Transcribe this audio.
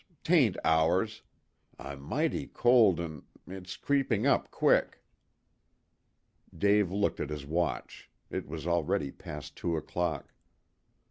'Tain't hours. I'm mighty cold, an' it's creepin' up quick." Dave looked at his watch. It was already past two o'clock.